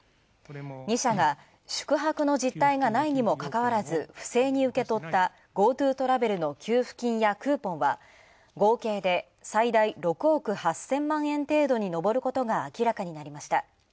２社が宿泊の実態がないにもかかわらず不正に受け取った「ＧｏＴｏトラベル」の給付金やクーポンは合計で最大６億８０００万円程度に上ることが明らかになりました。